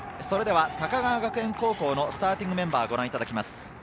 それでは高川学園高校のスターティングメンバーをご覧いただきます。